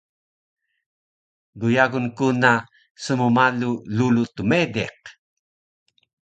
dyagun kuna smmalu rulu tmediq